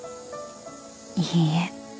［いいえ。